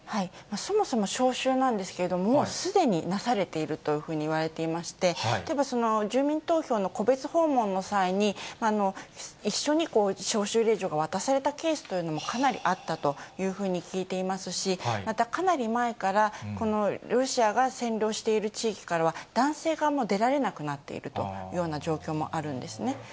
そもそも招集なんですけども、もうすでになされているというふうにいわれていまして、例えば住民投票の戸別訪問の際に、一緒に招集令状が渡されたケースというのもかなりあったというふうに聞いていますし、またかなり前から、ロシアが占領している地域からは男性が出られなくなっているというような状況もあるんですね。